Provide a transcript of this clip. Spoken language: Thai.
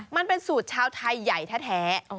มันเป็นสูตรชาวไทยใหญ่แท้